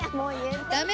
ダメ！